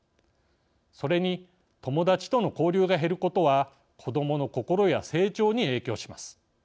それに友達との交流が減ることは子どもの心や成長に影響します。